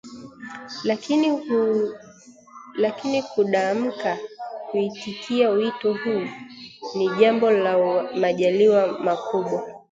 lakini kudamka kuitikia wito huo ni jambo la majaliwa makubwa